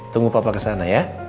tunggu papa kesana ya